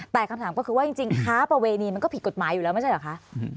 แต่คำถามก็คือว่าจริงค้าประเวณีมันก็ผิดกฎหมายอยู่แล้วไม่ใช่เหรอคะ